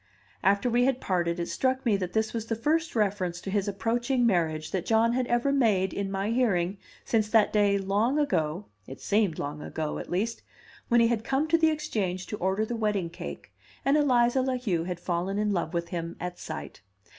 After we had parted it struck me that this was the first reference to his approaching marriage that John had ever made in my hearing since that day long ago (it seemed long ago, at least) when he had come to the Exchange to order the wedding cake, and Eliza La Heu had fallen in love with him at sight.